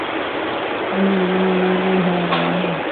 ان دنوں میں بھی ہوں روانی میں